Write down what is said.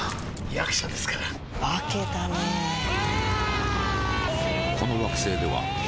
役者ですから化けたねうわーーー！